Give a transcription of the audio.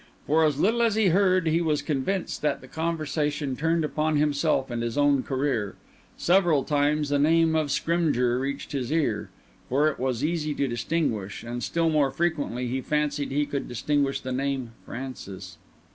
For as little as he heard, he was convinced that the conversation turned upon himself and his own career; several times the name of Scrymgeour reached his ear, for it was easy to distinguish, and still more frequently he fancied he could distinguish the name Francis.